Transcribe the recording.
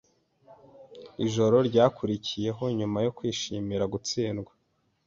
Ijoro ryakurikiyeho nyuma yo kwishimira gutsindwa